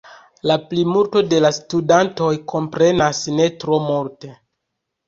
La plimulto de la studantoj komprenas ne tro multe.